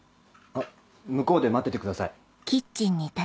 あっ向こうで待っててください。